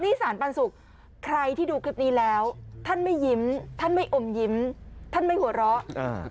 นี่สารปันสุกใครที่ดูคลิปนี้แล้วท่านไม่ยิ้มท่านไม่อมยิ้มท่านไม่หัวเราะอ่า